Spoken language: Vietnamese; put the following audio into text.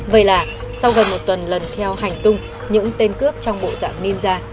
vậy là sau gần một tuần lần theo hành tung những tên cướp trong bộ dạng ninza